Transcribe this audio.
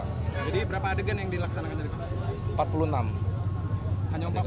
jadi berapa adegan yang dilaksanakan